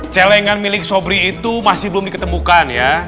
celengan milik sobri itu masih belum diketemukan ya